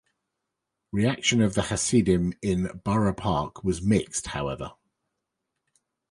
Reaction of the Hasidim in Borough Park was mixed, however.